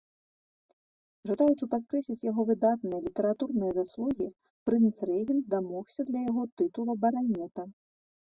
Жадаючы падкрэсліць яго выдатныя літаратурныя заслугі, прынц-рэгент дамогся для яго тытула баранета.